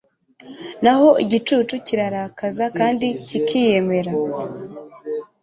naho igicucu kirirakaza kandi kikiyemera